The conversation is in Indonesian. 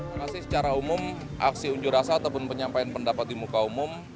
terima kasih secara umum aksi unjuk rasa ataupun penyampaian pendapat di muka umum